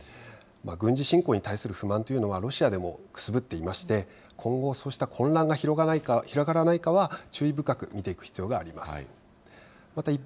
軍事侵攻に対する不満というのはロシアでもくすぶっていまして、今後、そうした混乱が広がらないかは注意深く見ていく必要があります。